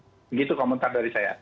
begitu komentar dari saya